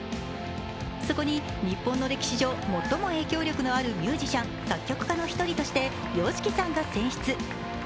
そこに日本の歴史上最も影響力のあるミュージシャン、作曲家の１人としてＹＯＳＨＩＫＩさんが選出。